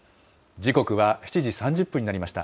時刻は７時３０分になりました。